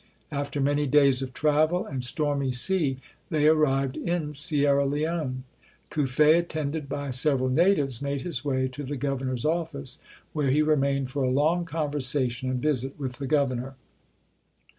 After many days of travel and stormy sea, they arrived in Sierra Leone. Cuffe, attended by sev eral natives, made his way to the governor's office, where he remained for a long conversation and visit with the Governor.